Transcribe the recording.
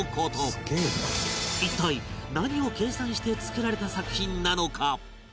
一体何を計算して作られた作品なのか？